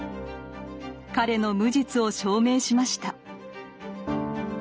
彼の無実を証明しました。